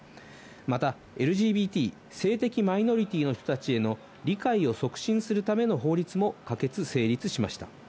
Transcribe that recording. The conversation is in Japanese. またＬＧＢＴ＝性的マイノリティーの人たちへの理解を促進するための法律も可決・成立しました。